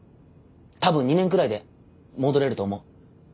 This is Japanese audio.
多分２年くらいで戻れると思う。